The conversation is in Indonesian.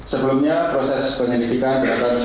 sebelumnya proses penyelidikan berlaku